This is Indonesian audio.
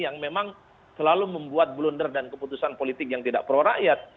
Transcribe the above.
yang memang selalu membuat blunder dan keputusan politik yang tidak pro rakyat